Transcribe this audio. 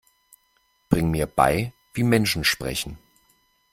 Bring mir bei, wie Menschen sprechen!